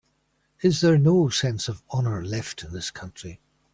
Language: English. Is there no sense of honor left in this country?